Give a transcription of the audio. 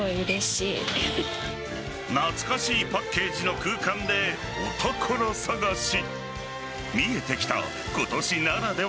懐かしいパッケージの空間でお宝探し。